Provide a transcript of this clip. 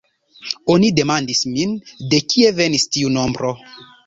Oni demandis min, de kie venis tiu nombro.